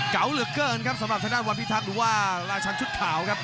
เก่าเหลือเกินครับสำหรับทางด้านวันพิทักษ์หรือว่าราชันชุดขาวครับ